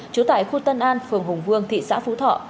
trú tại khu tân an phường hùng vương thị xã phú thọ